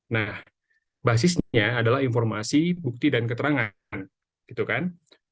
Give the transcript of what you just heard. nah basisnya adalah informasi bukti dan keterangan